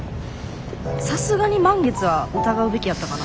さすがに満月は疑うべきやったかな？